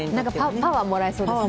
パワーもらえそうですね。